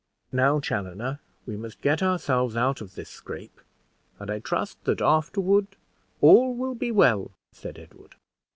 "Now, Chaloner, we must get ourselves out of this scrape, and I trust that afterward all be well," said Edward.